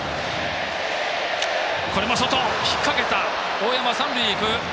大山は三塁へ行く。